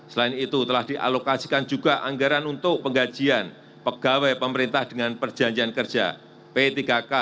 selain itu telah dialokasikan juga anggaran untuk penggajian pegawai pemerintah dengan perjanjian kerja p tiga k